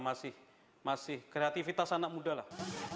masih kreativitas anak muda lah